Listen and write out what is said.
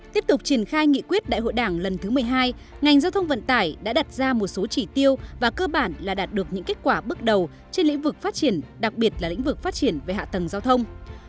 tiếp tục triển khai nghị quyết đại hội đảng lần thứ một mươi hai ngành giao thông vận tải đã đặt ra một số chỉ tiêu và cơ bản là đạt được những kết quả bước đầu trên lĩnh vực phát triển đặc biệt là lĩnh vực phát triển về hạ tầng giao thông